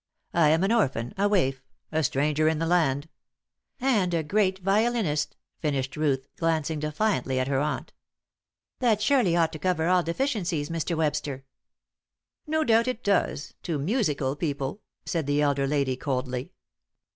I am an orphan, a waif, a stranger in the land " "And a great violinist," finished Ruth, glancing defiantly at her aunt. "That surely ought to cover all deficiencies, Mr. Webster." "No doubt it does to musical people," said the elder lady, coldly.